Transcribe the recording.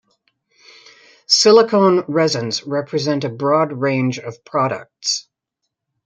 Silicone resins represent a broad range of products.